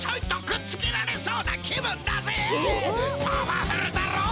パワフルだろ？